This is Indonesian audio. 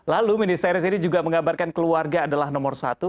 lalu mini series ini juga menggabarkan keluarga adalah nomor satu